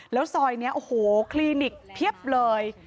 และซอยนี้โยโกโภคลีนิกเทียบเลย